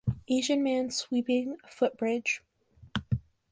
Asian man sweeping footbridge.